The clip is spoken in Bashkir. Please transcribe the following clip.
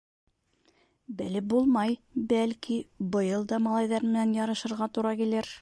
Белеп булмай, бәлки, быйыл да малайҙар менән ярышырға тура килер.